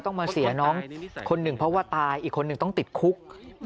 ต้องมาเสียน้องคนหนึ่งเพราะว่าตายอีกคนหนึ่งต้องติดคุก